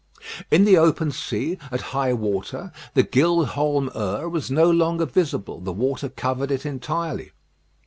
In the open sea, at high water, the Gild Holm 'Ur was no longer visible; the water covered it entirely.